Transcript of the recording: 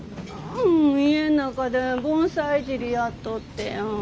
うん家ん中で盆栽いじりやっとってや。